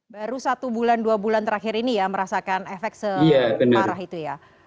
baru satu bulan dua bulan terakhir ini ya merasakan efek separah itu ya